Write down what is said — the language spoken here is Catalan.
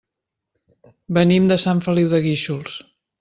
Venim de Sant Feliu de Guíxols.